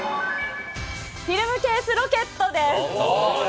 フィルムケースロケットです。